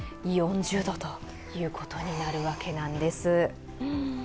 ４０度ということになるわけなんです。